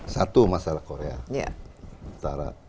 satu masalah korea utara